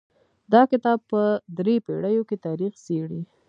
دا کتاب په درې پېړیو کې تاریخ څیړي.